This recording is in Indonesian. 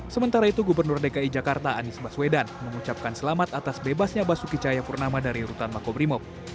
sementara itu gubernur dki jakarta anies baswedan mengucapkan selamat atas bebasnya basuki cahayapurnama dari rutan makobrimob